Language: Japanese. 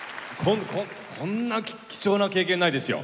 ここんな貴重な経験ないですよ。